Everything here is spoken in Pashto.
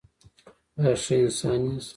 ایا ښه انسان یاست؟